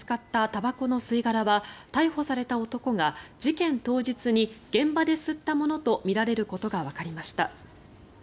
たばこの吸い殻は逮捕された男が事件当日に現場で吸ったものとみられることがわかりました。